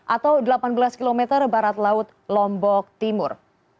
atau delapan belas km barat laut lombok timur